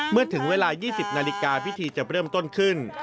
เมื่อถึงเวลา๒๐นาฬิกาพิธีจะเริ่มต้นขึ้น